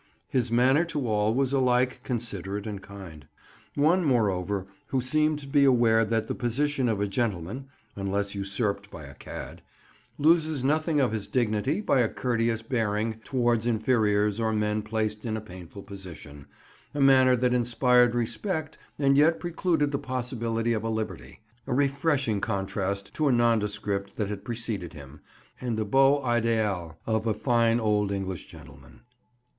His manner to all was alike considerate and kind; one, moreover, who seemed to be aware that the position of a gentleman (unless usurped by a cad) loses nothing of its dignity by a courteous bearing towards inferiors or men placed in a painful position—a manner that inspired respect and yet precluded the possibility of a liberty, a refreshing contrast to a nondescript that had preceded him, and the beau idéal of a fine old English gentleman.